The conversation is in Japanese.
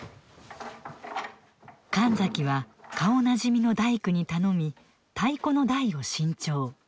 神崎は顔なじみの大工に頼み太鼓の台を新調。